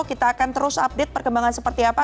kita akan terus update perkembangan seperti apa